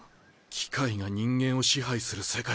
機械が人間を支配する世界かよ。